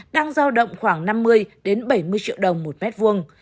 đang giao động khoảng năm mươi đến bảy mươi triệu đồng một mét vuông